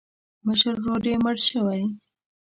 مشر ورور یې مړ شوی.